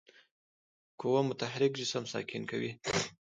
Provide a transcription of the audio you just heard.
قوه متحرک جسم ساکن کوي.